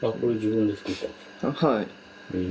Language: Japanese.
はい。